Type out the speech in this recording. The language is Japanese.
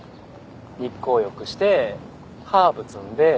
日光浴してハーブ摘んで。